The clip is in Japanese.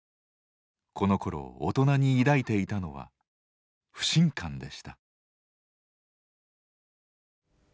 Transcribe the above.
このころ大人に抱いていたのは不信感でした。